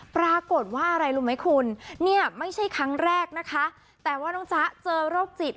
ปรากฏว่าอะไรรู้ไหมคุณเนี่ยไม่ใช่ครั้งแรกนะคะแต่ว่าน้องจ๊ะเจอโรคจิต